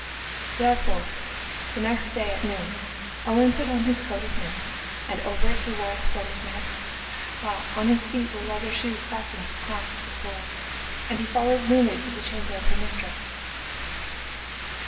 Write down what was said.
Therefore the next day at noon Owen put on his coat of mail, and over it he wore a splendid mantle, while on his feet were leather shoes fastened with clasps of gold. And he followed Luned to the chamber of her mistress.